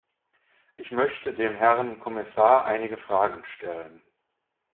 Ich möchte dem Herrn Kommissar einige Fragen stellen.